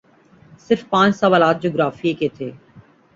صرف پانچ سوالات جغرافیے کے تھے